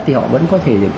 thì họ vẫn có thể